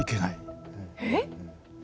えっ？